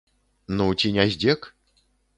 Ну, ці не здзек?